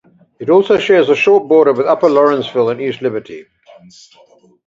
It also shares a short border with Upper Lawrenceville and East Liberty.